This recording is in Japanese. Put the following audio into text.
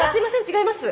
違います。